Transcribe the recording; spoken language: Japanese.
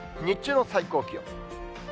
日中の最高気温。